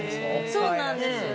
◆そうなんですよ。